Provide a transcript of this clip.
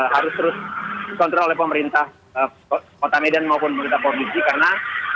harus terus dikontrol oleh pemerintah kota medan maupun pemerintah provinsi karena